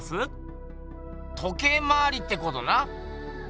時計回りってことな。